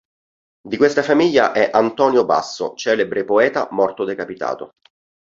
Di questa famiglia è Antonio Basso, celebre poeta morto decapitato.